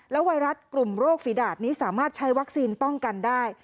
ไวรัสกลุ่มโรคฝีดาดนี้สามารถใช้วัคซีนป้องกันได้